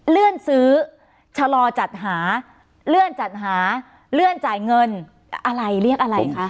เลื่อนซื้อชะลอจัดหาเลื่อนจัดหาเลื่อนจ่ายเงินอะไรเรียกอะไรคะ